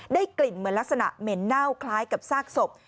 กลิ่นเหมือนลักษณะเหม็นเน่าคล้ายกับซากศพ